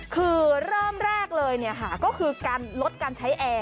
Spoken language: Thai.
คือเริ่มแรกเลยก็คือการลดการใช้แอร์